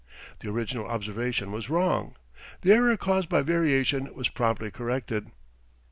The original observation was wrong. The error caused by variation was promptly corrected.